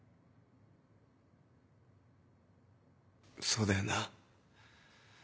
そうだよな。